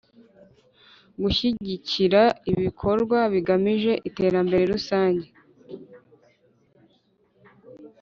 Gushyigikira ibikorwa bigamije iterambere rusange